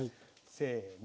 せの！